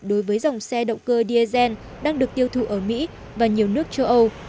đối với dòng xe động cơ diesel đang được tiêu thụ ở mỹ và nhiều nước châu âu